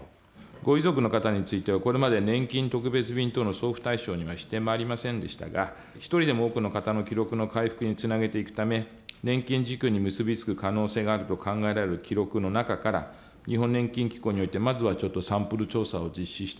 ご遺族の方についてはこれまでねんきん特別便等の送付対象にはしてまいりませんでしたが一人でも多くの方の記録の回復につなげていくため年金受給に結び付く可能性があると考えられる記録の中から日本年金機構においてまずはちょっとサンプル調査を実施してですね